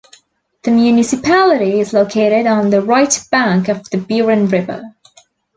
The municipality is located on the right bank of the Buron river.